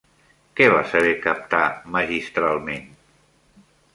Què va saber captar magistralment?